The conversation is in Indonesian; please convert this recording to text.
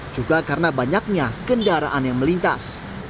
juga karena banyaknya kendaraan yang melintas